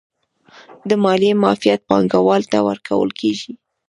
د مالیې معافیت پانګوالو ته ورکول کیږي